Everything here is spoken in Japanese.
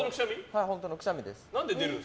はい、本当のくしゃみです。